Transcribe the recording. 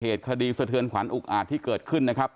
เหตุคดีสะเทือนขวัญอุกอาจที่เกิดขึ้นนะครับ